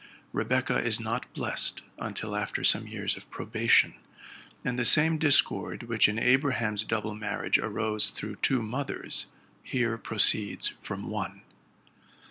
Rebecca is not blessed until after some years of probation; and the same discord, which, in Abraham's double marriage, arose through two mothers, here proceeds from one.